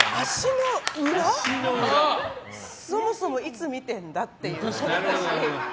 そもそもいつ見てるんだっていう。